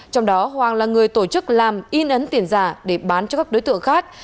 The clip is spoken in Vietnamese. trong đó hoàng là người tổ chức làm in ấn tiền giả để bán cho các đối tượng khác